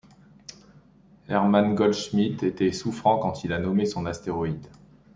Hermann Goldschmidt était souffrant quand il a nommé son astéroïde.